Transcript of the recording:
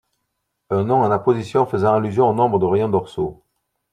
Un nom en apposition faisant allusion au nombre de rayons dorsaux.